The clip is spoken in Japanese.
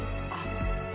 あっ。